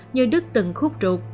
như đức từng khúc ruột